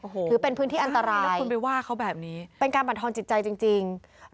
หรือเป็นพื้นที่อันตรายเป็นการปันทองจิตใจจริงแล้วคุณไปว่าเขาแบบนี้